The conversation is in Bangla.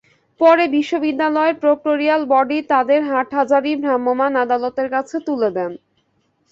পরে বিশ্ববিদ্যালয়ের প্রক্টরিয়াল বডি তাদের হাটহাজারী ভ্রাম্যমাণ আদালতের কাছে তুলে দেন।